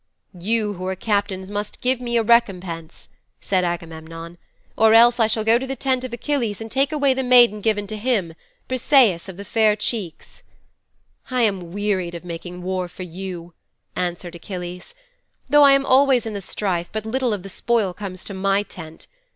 "' '"You who are captains must give me a recompense," said Agamemnon, "or else I shall go to the tent of Achilles and take away the maiden given to him, Briseis of the Fair Cheeks."' '"I am wearied of making war for you," answered Achilles. "Though I am always in the strife but little of the spoil comes to my tent.